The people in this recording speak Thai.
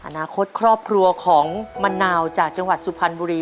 อนาคตครอบครัวของมะนาวจากจังหวัดสุพรรณบุรี